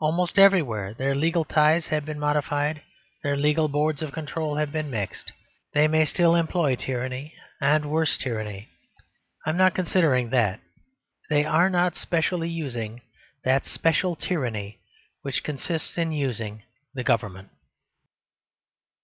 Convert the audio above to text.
Almost everywhere their legal tithes have been modified, their legal boards of control have been mixed. They may still employ tyranny, and worse tyranny: I am not considering that. They are not specially using that special tyranny which consists in using the government.